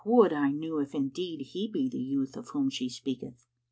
Would I knew if indeed he be the youth of whom she speaketh?"